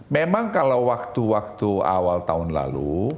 memang kalau waktu waktu awal tahun lalu